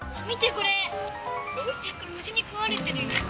これむしにくわれてるよ！